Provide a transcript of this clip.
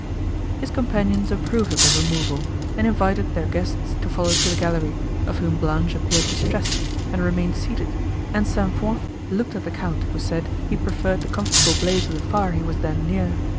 His companions approved of the removal, and invited their guests to follow to the gallery, of whom Blanche appeared distressed, and remained seated, and St. Foix looked at the Count, who said, he preferred the comfortable blaze of the fire he was then near.